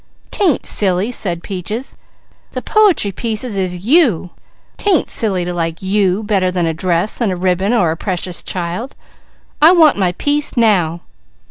"'Tain't silly!" said Peaches. "The po'try pieces is you! 'Tain't silly to like you better than a dress, and a ribbon, or a Precious Child. I want my piece now!"